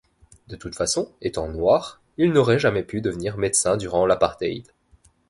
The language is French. De toute façon, étant noir, il n'aurait jamais pu devenir médecin durant l'Apartheid.